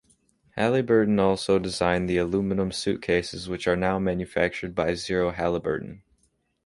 Halliburton also designed the aluminum suitcases which are now manufactured by Zero Halliburton.